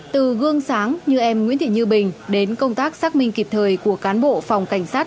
từ gương sáng như em nguyễn thị như bình đến công tác xác minh kịp thời của cán bộ phòng cảnh sát